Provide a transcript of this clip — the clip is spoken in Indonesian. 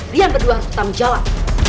lian berdua harus bertanggung jawab